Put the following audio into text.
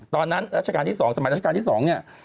ตอนนั้นรัชกาลที่๒สมัยรัชกาลที่๒นี่